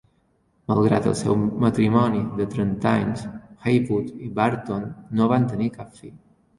Malgrat el seu matrimoni de trenta anys, Heywood i Barton no van tenir cap fill.